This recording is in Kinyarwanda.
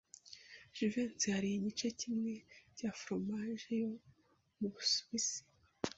Jivency yariye igice kimwe cya foromaje yo mu Busuwisi.